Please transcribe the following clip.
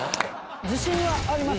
自信はあります